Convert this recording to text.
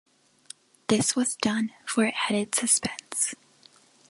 This was done for added suspense.